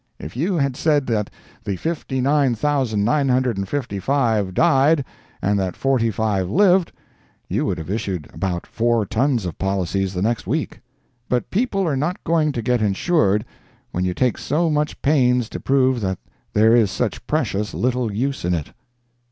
If you had said that the fifty nine thousand nine hundred and fifty five died, and that forty five lived, you would have issued about four tons of policies the next week. But people are not going to get insured, when you take so much pains to prove that there is such precious little use in it.